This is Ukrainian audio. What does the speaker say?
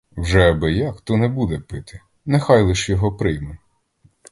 Вже аби як, то не буде пити; нехай лиш його прийме!